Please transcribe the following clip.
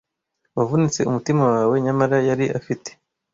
Wavunitse umutima wawe; nyamara yari afite